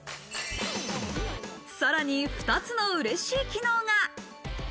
さらに２つのうれしい機能が。